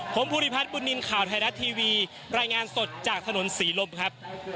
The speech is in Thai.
ผมภูริพัฒนบุญนินทร์ข่าวไทยรัฐทีวีรายงานสดจากถนนศรีลมครับ